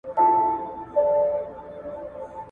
زه پوهېږم نیت دي کړی د داړلو ,